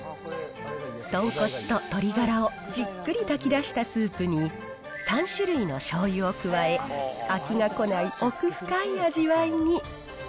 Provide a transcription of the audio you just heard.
豚骨と鶏ガラをじっくり炊き出したスープに、３種類のしょうゆを加え、飽きが来ない奥深い味わいに。